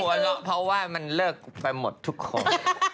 พี่หัวร้อนเพราะว่ามันเลิกไหวหมดทุกคน